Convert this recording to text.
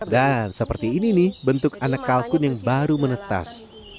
dan seperti ini bentuk anak kalkun yang baru menetes